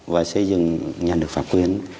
và xây dựng nhà nước pháp quyền